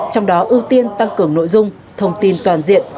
trong đó ưu tiên tăng cường nội dung thông tin toàn diện